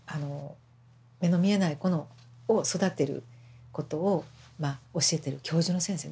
目の見えない子を育てることを教えてる教授の先生ね